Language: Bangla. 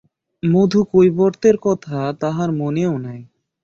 মধুকৈবর্তের কথা তাহার মনেও নাই।